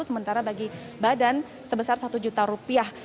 sementara bagi badan sebesar satu juta rupiah